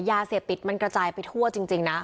ยาเสพติดมันกระจายไปทั่วจริงนะ